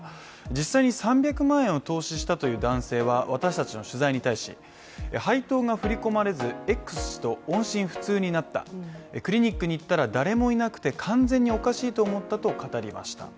実際に３００万円を投資したという男性は私達の取材に対し配当が振り込まれず、Ｘと音信不通になったクリニックに行ったら誰もいなくて完全におかしいと思ったと語りました。